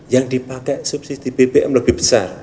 yang dipakai subsidi bbm lebih besar